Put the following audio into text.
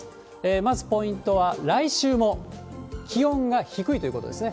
まずポイントは、来週も気温が低いということですね。